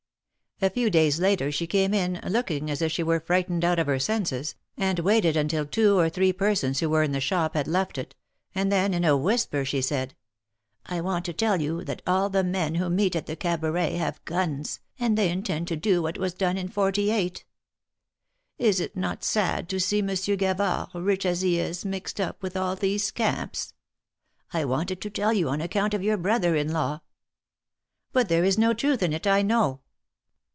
A few days later she came in, looking as if she were frightened out of her senses, and waited until two or three persons who were in the shop had left it ; and then, in a whisper, she said ; I want to tell you that all the men who meet at the Cabaret have guns, and they intend to do what was done in ^48. Is it not sad to see Monsieur Gavard, rich as he is, mixed up with all these scamps ? I wanted to tell you on account of your brother in law." But there is no truth in it, I know."